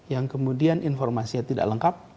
yang kemudian informasinya tidak lengkap